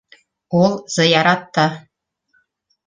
Ул зыяратта...